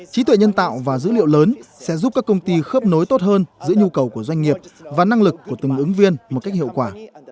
trí tuệ nhân tạo và dữ liệu lớn sẽ giúp các công ty khớp nối tốt hơn giữa nhu cầu của doanh nghiệp và năng lực của từng ứng viên một cách hiệu quả